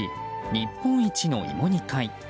日本一の芋煮会。